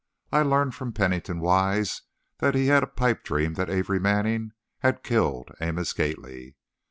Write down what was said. I learned from Pennington Wise that he had a pipe dream that Amory Manning had killed Amos Gately.